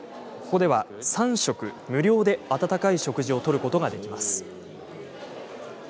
ここでは３食無料で温かい食事をとることができます。